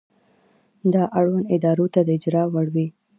دا اړوندو ادارو ته د اجرا وړ وي.